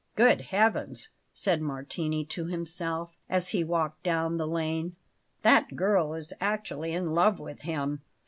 "Good Heavens!" said Martini to himself, as he walked down the lane. "That girl is actually in love with him!